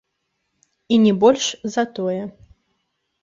І не больш за тое.